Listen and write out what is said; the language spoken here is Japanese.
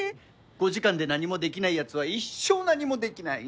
５時間で何もできないやつは一生何もできない。